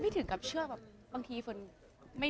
บางทีเค้าแค่อยากดึงเค้าต้องการอะไรจับเราไหล่ลูกหรือยังไง